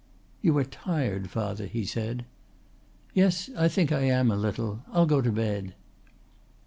"You are tired, father," he said. "Yes, I think I am a little. I'll go to bed."